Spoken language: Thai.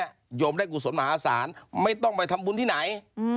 โยมได้กุศลมหาศาลไม่ต้องไปทำบุญที่ไหน